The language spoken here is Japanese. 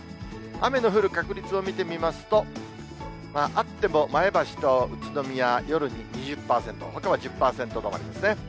雨の降る確率を見てみますと、あっても前橋と宇都宮、夜に２０％、ほかは１０％止まりですね。